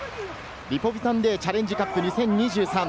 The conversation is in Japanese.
リポビタンＤチャレンジカップ２０２３。